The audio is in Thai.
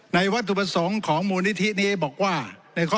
ในวัตถุประสงค์ของมูลนิธินี้บอกว่าในข้อ๒๕